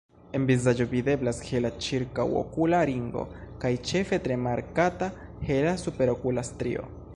En vizaĝo videblas hela ĉirkaŭokula ringo kaj ĉefe tre markata hela superokula strio.